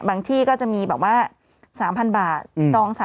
บางที่ก็จะมีบอกว่า๓๐๐๐บาท